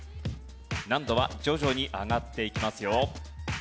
難度は徐々に上がっていきますよ。